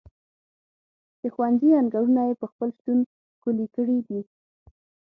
د ښوونځي انګړونه یې په خپل شتون ښکلي کړي دي.